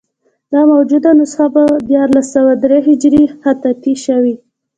دا موجوده نسخه په دیارلس سوه درې هجري خطاطي شوې.